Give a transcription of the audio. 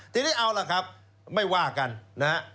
ทีนี้เอาล่ะครับไม่ว่ากันนะฮะ